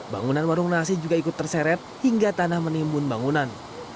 bangunan warung nasi juga ikut terseret hingga tanah menimbun bangunan